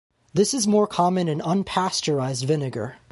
This is more common in unpasteurized vinegar.